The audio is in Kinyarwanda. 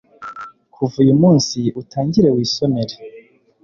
kuva uyu munsi utangire wisomere